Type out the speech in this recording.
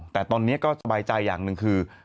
แต่ตอนนี้ก็สบายใจอย่างหนึ่งคือ